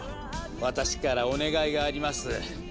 私からお願いがあります。